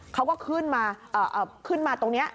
เขาก็ขึ้นมาตรงนี้